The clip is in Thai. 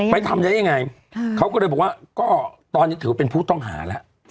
ไปทำได้ยังไงเขาก็เลยบอกว่าก็ตอนนี้ถือว่าเป็นผู้ต้องหาแล้ว